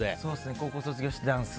高校卒業してダンス。